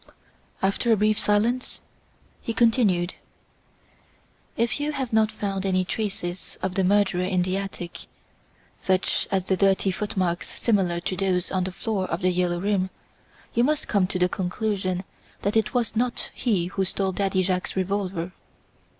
After a brief silence, he continued: "If you have not found any traces of the murderer in the attic, such as the dirty footmarks similar to those on the floor of "The Yellow Room", you must come to the conclusion that it was not he who stole Daddy Jacques's revolver."